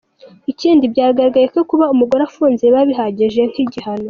Ikindi, byagaragaye ko kuba umugore afunze biba bihagije nk’igihano.